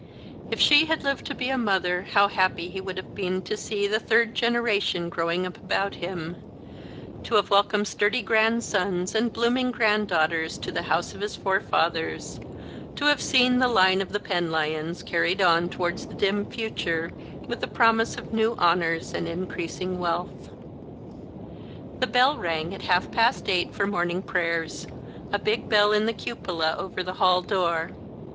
If she had lived to be a mother how happy he would have been to see the third generation growing up about him, to have The Christmas Hirelings. 117 welcomed sturdy grandsons and blooming granddaughters to the house of his forefathers, to have seen the line of the Penlyons carried on towards the dim future, with the promise of new honours and increasing wealth. The bell rang at half past eight for morning prayers, a big bell in a cupola over the hall door.